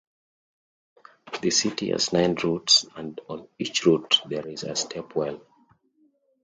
The city has nine routes, and on each route there is a step well.